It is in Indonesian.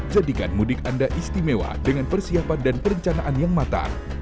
jadikan mudik anda istimewa dengan persiapan dan perencanaan yang matang